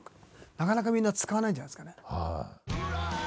なかなかみんな使わないんじゃないですかね。